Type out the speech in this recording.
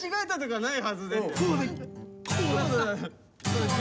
はい。